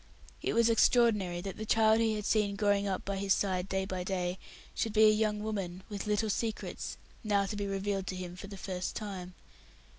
It was extraordinary that the child he had seen growing up by his side day by day should be a young woman with little secrets, now to be revealed to him for the first time.